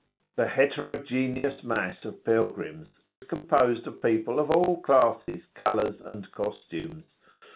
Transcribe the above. The heterogeneous mass of pilgrims is composed of people of all classes, colours, and costumes.